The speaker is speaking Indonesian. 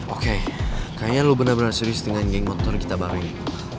oke kayaknya lu benar benar serius dengan geng motor kita baru ini